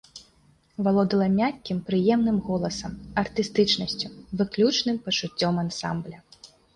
Валодала мяккім прыемным голасам, артыстычнасцю, выключным пачуццём ансамбля.